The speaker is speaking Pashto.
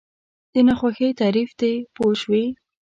د ناخوښۍ تعریف دی پوه شوې!.